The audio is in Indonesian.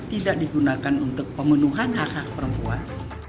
tidak digunakan untuk pemenuhan hak hak perempuan